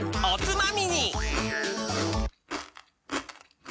おつまみに！